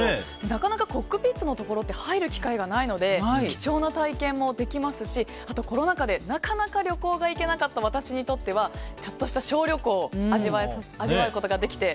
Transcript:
なかなかコックピットのところは入る機会がないので貴重な体験もできますしあと、コロナ禍でなかなか旅行に行けなかった私にとってはちょっとした小旅行を味わうことができて。